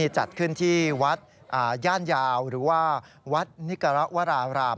จัดขึ้นที่วัดย่านยาวหรือว่าวัดนิกรวราราม